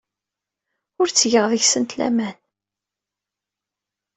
Ur ttgeɣ deg-sent laman.